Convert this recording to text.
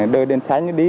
đợi đèn sáng đi